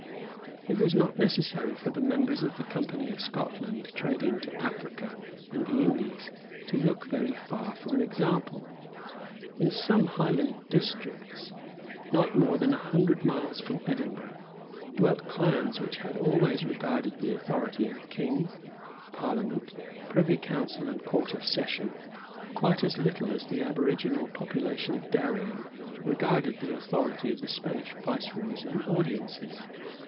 It was not necessary for the members of the Company of Scotland trading to Africa and the Indies to look very far for an example. In some highland districts, not more than a hundred miles from Edinburgh, dwelt clans which had always regarded the authority of King, Parliament, Privy Council and Court of Session, quite as little as the aboriginal population of Darien regarded the authority of the Spanish Viceroys and Audiences.